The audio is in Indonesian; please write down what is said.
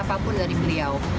apapun dari beliau